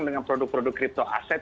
dengan produk produk crypto aset